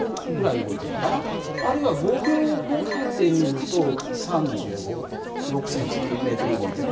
あるいは５秒後ってみると３５３６ｃｍ動いてる。